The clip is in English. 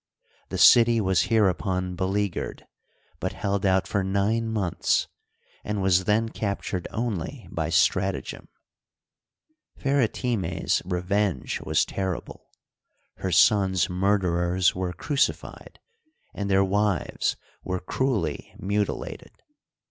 The city was hereupon beleaguered, but held out for nine months, and was then captured only by stratagem, Pheretime's revenge was terrible : her son's murderers were crucified and their wives were cruelly mutilated.